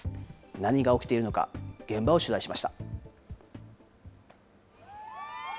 何が起きているのか、現場を取材しました。